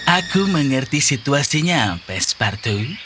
aku mengerti situasinya pes partu